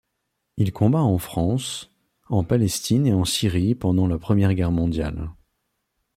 Il combat en France, en Palestine et en Syrie pendant la Première Guerre mondiale.